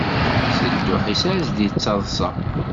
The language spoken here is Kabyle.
Si dduḥ-is ad d-yettaḍṣa.